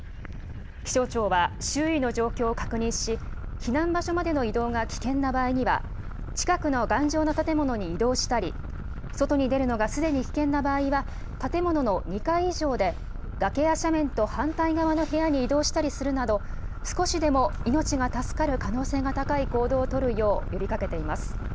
気象庁は周囲の状況を確認し、避難場所までの移動が危険な場合には、近くの頑丈な建物に移動したり、外に出るのがすでに危険な場合は、建物の２階以上で、崖や斜面と反対側の部屋に移動したりするなど、少しでも命が助かる可能性が高い行動を取るよう呼びかけています。